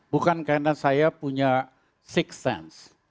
bukan karena saya punya six sense